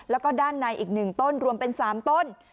แล้วก็ด้านในอีก๑ต้นรวมเป็น๓ต้น